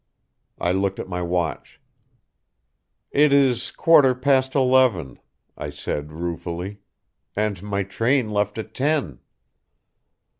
I looked at my watch. "It is quarter past eleven," I said ruefully, "and my train left at ten."